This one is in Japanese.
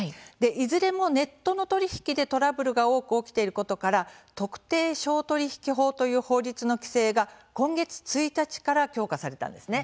いずれもネットの取り引きでトラブルが多く起きていることから特定商取引法という法律の規制が今月１日から強化されたんですね。